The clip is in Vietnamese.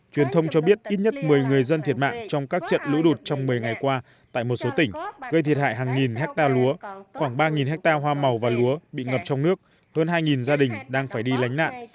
truyền thông cho biết ít nhất một mươi người dân thiệt mạng trong các trận lũ lụt trong một mươi ngày qua tại một số tỉnh gây thiệt hại hàng nghìn hectare lúa khoảng ba hectare hoa màu và lúa bị ngập trong nước hơn hai gia đình đang phải đi lánh nạn